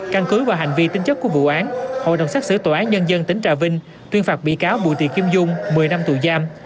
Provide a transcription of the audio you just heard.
căn cứ và hành vi tính chất của vụ án hội đồng xác xử tòa án nhân dân tỉnh trà vinh tuyên phạt bị cáo bùi tị kim dung một mươi năm tù giam